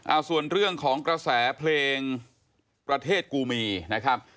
เอาส่วนเรื่องของกระแสเพลงประเทศกูมีนะครับ